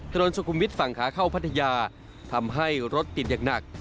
สุขุมวิทย์ฝั่งขาเข้าพัทยาทำให้รถติดอย่างหนัก